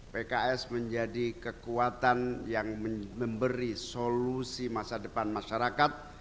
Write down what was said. pks menjadi kekuatan yang memberi solusi masa depan masyarakat